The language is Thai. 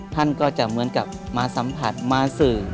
ท่านก็จะเหมือนกับมาสัมผัสมาสื่อ